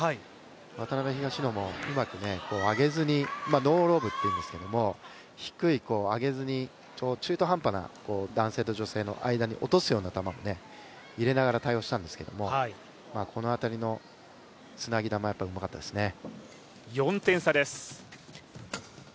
渡辺・東野もうまく上げずに、ノーロブというんですけれども、低く上げずに中途半端な男性と女性の間に落とすような球を入れながら対応したんですけれども、この辺りのつなぎ球はやっぱりうまかったですよね。